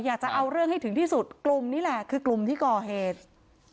อยากจะเอาเรื่องให้ถึงที่สุดกลุ่มนี้แหละคือกลุ่มที่ก่อเหตุ